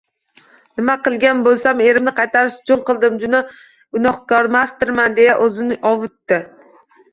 Nima qilgan bo`lsam, erimni qaytarish uchun qildim, juda gunohkormasdirman deya o`zini ovutdi